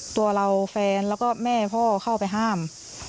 ตัวเราแฟนแล้วก็แม่พ่อเข้าไปห้าม